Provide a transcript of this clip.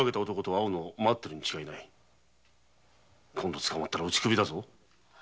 今度捕まったら打ち首だぞ。